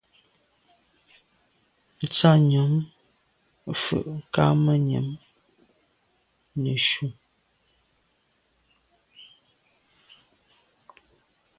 Nsa yàm mfe kamànyam neshu.